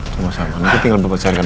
sama sama nanti tinggal berbacara kanan